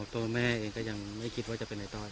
ตัวแม่เองก็ยังไม่คิดว่าจะเป็นในต้อย